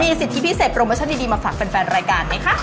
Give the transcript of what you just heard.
มีสิทธิ์พิเศษโปรโมชั่นดีมาฝากเป็นแฟนรายการไหมครับ